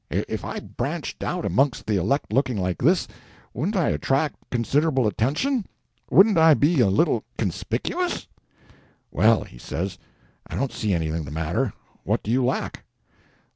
If I branched out amongst the elect looking like this, wouldn't I attract considerable attention?—wouldn't I be a little conspicuous?" "Well," he says, "I don't see anything the matter. What do you lack?"